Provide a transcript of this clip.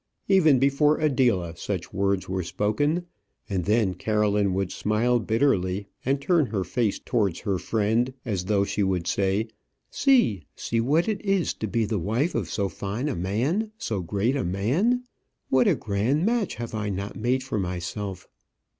Even before Adela such words were spoken, and then Caroline would smile bitterly, and turn her face towards her friend, as though she would say, "See, see what it is to be the wife of so fine a man, so great a man! What a grand match have I not made for myself!"